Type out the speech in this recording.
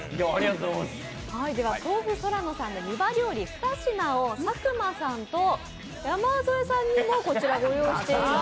とうふ空野さんの湯葉料理２品を佐久間さんと山添さんにも、こちらご用意しています。